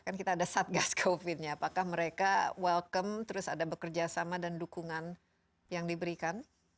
kan kita ada satgas covid nya apakah mereka welcome terus ada bekerja sama dan dukungan yang diberikan